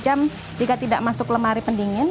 dua puluh empat jam jika tidak masuk ke lemari pendingin